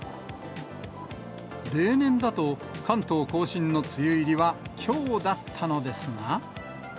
例年だと、関東甲信の梅雨入りはきょうだったのですが。